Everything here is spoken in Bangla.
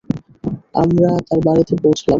আমরা তার বাড়ীতে পৌঁছলাম।